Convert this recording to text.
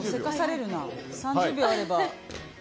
３０秒あれば。